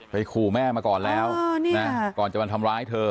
ขู่แม่มาก่อนแล้วก่อนจะมาทำร้ายเธอ